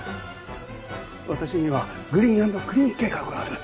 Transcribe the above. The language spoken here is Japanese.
私にはグリーン＆クリーン計画がある。